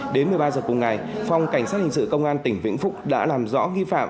đến một mươi ba h cùng ngày phòng cảnh sát hình sự công an tỉnh vĩnh phúc đã làm rõ nghi phạm